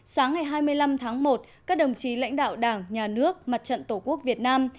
sáng ngày hai mươi năm tháng một các đồng chí lãnh đạo đảng nhà nước mặt trận tổ quốc việt nam